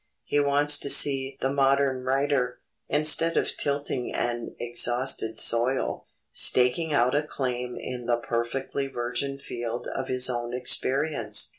He wants to see the modern writer, instead of tilling an exhausted soil, staking out a claim in the perfectly virgin field of his own experience.